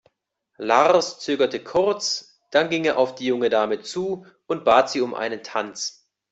Lars zögerte kurz, dann ging er auf die junge Dame zu und bat sie um einen Tanz.